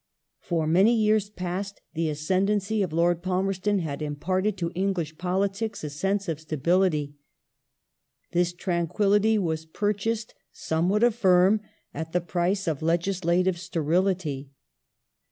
For many years past the ascendancy of Lord Palmerston had imparted to English politics a sense of stability. This tranquillity was purchased, some would affirm, at the price of legislative sterility.